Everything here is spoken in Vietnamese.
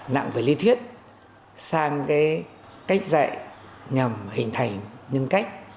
nặng về lý thuyết sang cái cách dạy nhằm hình thành nhân cách